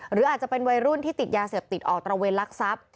หรืออาจจะเป็นวัยรุ่นที่ติดยาเสพติดออกตระเวนลักทรัพย์